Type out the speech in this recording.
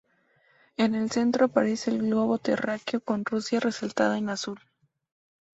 En el centro aparece el globo terráqueo con Rusia resaltada en azul.